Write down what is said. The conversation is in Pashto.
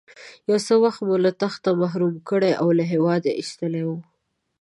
یو څه وخت مو له تخته محروم کړی او له هېواده ایستلی وو.